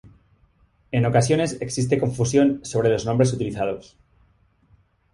En ocasiones existe confusión sobre los nombres utilizados.